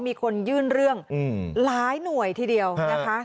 มีคนยื่นเรื่องหลายหน่วยทีเดียวนะคะ